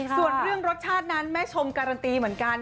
ส่วนเรื่องรสชาตินั้นแม่ชมการันตีเหมือนกัน